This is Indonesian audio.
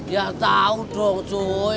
ya tau dong cuy